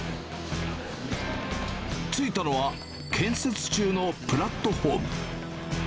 着いたのは、建設中のプラットホーム。